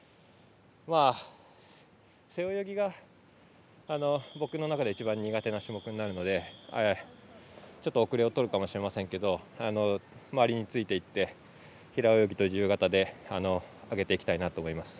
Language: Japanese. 背泳ぎが僕の中で一番苦手な種目になるのでちょっと遅れをとるかもしれませんけど周りについていって平泳ぎと自由形で上げていきたいなと思います。